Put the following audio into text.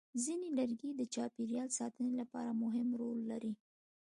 ځینې لرګي د چاپېریال ساتنې لپاره مهم رول لري.